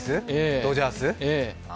ドジャース？